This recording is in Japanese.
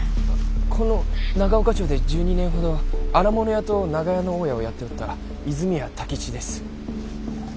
この長岡町で１２年ほど荒物屋と長屋の大家をやっておった和泉屋太吉です。